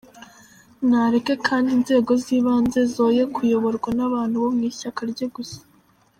Nareke kandi inzego z’ibanze zoye kuyoborwa n’abantu bo mw’ishyaka rye gusa.